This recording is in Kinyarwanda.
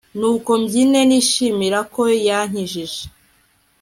nuko mbyine nishimira ko yankijije